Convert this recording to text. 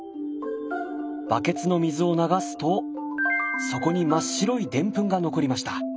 バケツの水を流すと底に真っ白いデンプンが残りました。